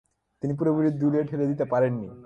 তিনি পুরোপুরি দূরে ঠেলে দিতে পারেননি।